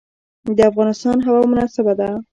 د افغانستان هوا مناسبه ده.